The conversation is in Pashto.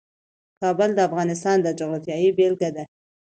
کابل د افغانستان د جغرافیې بېلګه ده.